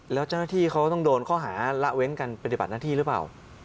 แล้วเจ้าหน้าที่เขาต้องโดนข้อหาละเว้นการปฏิบัติหน้าที่หรือเปล่า